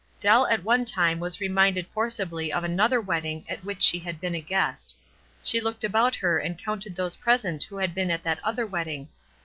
Dell at one time was reminded forcibly of another wedding at which she had been a guest. She looked about her and counted those present who had been at that other wed ding.